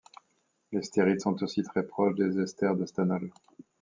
Les stérides sont aussi très proches des esters de stanol.